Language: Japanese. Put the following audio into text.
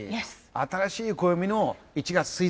新しい暦の１月１日だ。